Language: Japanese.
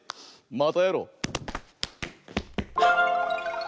またやろう！